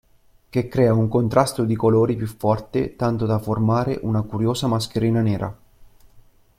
Che crea un contrasto di colori più forte tanto da formare una curiosa mascherina nera.